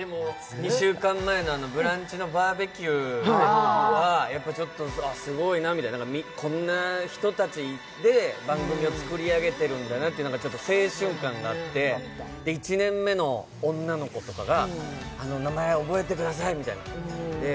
２週間前の「ブランチ」のバーベキューは、すごい、こんな人たちで番組を作り上げてるんだなといのうがちょっと青春感があって、１年目の女の子とかが名前覚えてくださいって。